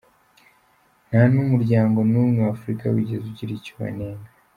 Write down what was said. Nta n’umuryango n’umwe wa Afurika wigeze ugira icyo ubanenga.